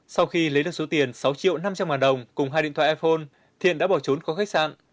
sau khi lấy được số tiền sáu triệu năm trăm linh ngàn đồng cùng hai điện thoại iphone thiện đã bỏ trốn khỏi khách sạn